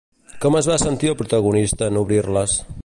Com es va sentir el protagonista en obrir-les?